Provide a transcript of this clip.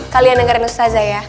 kalian dengerin ustadzah ya